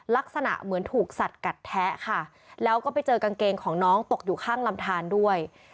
ลักษณะเหมือนถูกสัดกัดแทะค่ะแล้วก็ไปเจอกางเกงของน้องตกอยู่ข้างลำทานด้วย